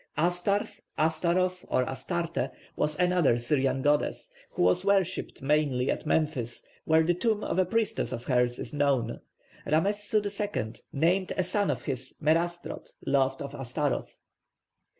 +Astharth+, +Ashtaroth+, or +Astarte+, was another Syrian goddess, who was worshipped mainly at Memphis, where the tomb of a priestess of hers is known. Ramessu II named a son of his Merastrot, 'loved of Ashtaroth.'